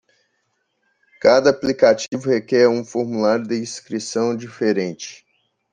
Cada aplicativo requer um formulário de inscrição diferente.